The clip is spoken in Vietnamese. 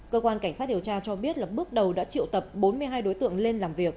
cơ quan cảnh sát điều tra cho biết là bước đầu đã triệu tập bốn mươi hai đối tượng lên làm việc